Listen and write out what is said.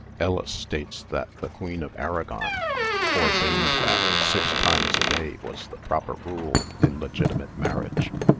Ellis states that the Queen of Aragon ordained that six times a day was the proper rule in legitimate marriage